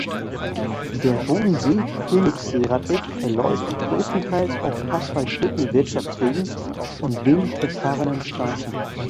Der Bodensee-Königssee-Radweg verläuft größtenteils auf asphaltierten Wirtschaftswegen und wenig befahrenen Straßen.